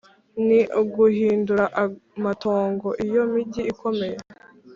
ni uguhindura amatongo iyo migi ikomeye.